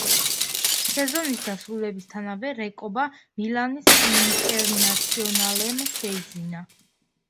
სეზონის დასრულებისთანავე რეკობა მილანის ინტერნაციონალემ შეიძინა.